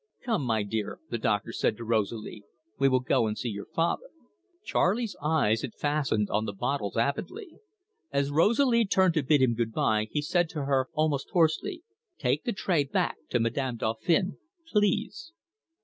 "Come, my dear," the doctor said to Rosalie. "We will go and see your father." Charley's eyes had fastened on the bottles avidly. As Rosalie turned to bid him good bye, he said to her, almost hoarsely: "Take the tray back to Madame Dauphin please."